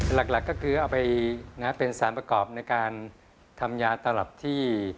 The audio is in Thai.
หลักก็คือเอาไปเป็นสารประกอบในการทำยาตลับที่